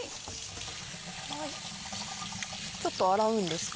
ちょっと洗うんですか？